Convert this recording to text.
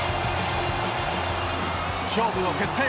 勝負を決定